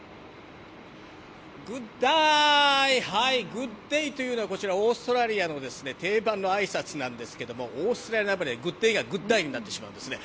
グッデイというのはこちら、オーストラリアの定番の挨拶なんですが、オーストラリアなまりで、グッデイがグッダイになってしまうんですね。